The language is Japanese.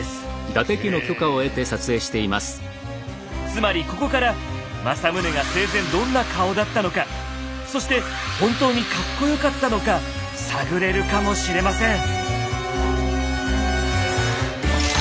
つまりここから政宗が生前どんな顔だったのかそして本当にカッコよかったのか探れるかもしれません。